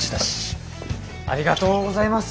ありがとうございます。